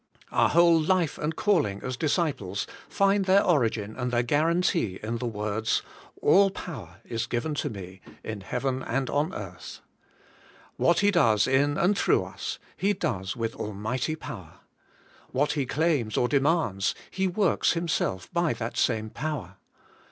Our whole life and calling as disciples find their origin and their guarantee in the words: 'All power is given to me in heaven and on earth. ' What He does in and through us, He does with almighty power. What He claims or demands. He works Him self by that same power.